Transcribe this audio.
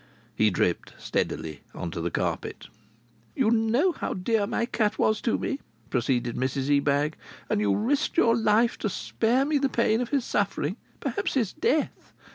He dripped steadily on to the carpet. "You know how dear my cat was to me," proceeded Mrs Ebag. "And you risked your life to spare me the pain of his suffering, perhaps his death.